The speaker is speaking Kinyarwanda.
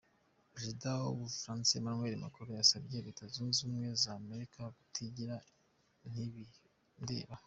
Perezida w'Ubufaransa, Emmanuel Macron, yasabye Leta Zunze ubumwe za Amerika kutigira ntibindeba.